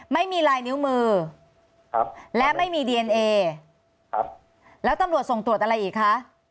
ไม่มีลายนิ้วมือครับและไม่มีดีเอนเอครับแล้วตำรวจส่งตรวจอะไรอีกคะ